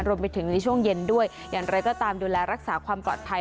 ในช่วงเย็นด้วยอย่างไรก็ตามดูแลรักษาความปลอดภัย